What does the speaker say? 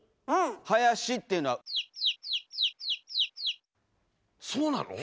林っていうのはそうなの？